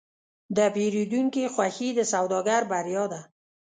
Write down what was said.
د پیرودونکي خوښي د سوداګر بریا ده.